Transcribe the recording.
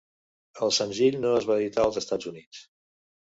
El senzill no es va editar als Estats Units.